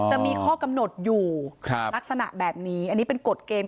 จะมีข้อกำหนดอยู่ลักษณะแบบนี้อันนี้เป็นกฎเกณฑ์